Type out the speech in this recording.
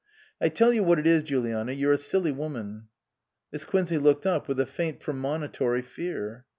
" I tell you what it is, Juliana ; you're a silly woman." Miss Quincey looked up with a faint pre monitory fear.